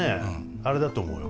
あれだと思うよ。